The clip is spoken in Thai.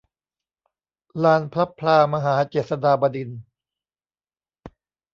ลานพลับพลามหาเจษฎาบดินทร์